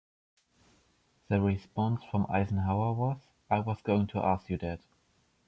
The response from Eisenhower was, "I was going to ask you that".